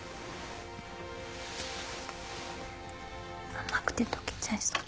甘くて溶けちゃいそう。